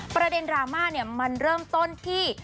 ประเด็นดราม่าเนี่ยมันเริ่มต้นที่